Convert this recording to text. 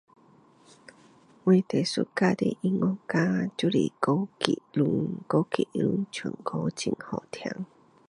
我最喜欢的音乐家就是郭晋如，郭晋如唱歌很好听